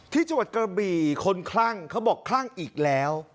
ที่จังหวัดกระบี่คนคลั่งเขาบอกคลั่งอีกแล้ว